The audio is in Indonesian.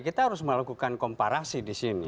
kita harus melakukan komparasi di sini